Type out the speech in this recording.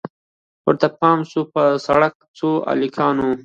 ورته پام سو پر سړک د څو هلکانو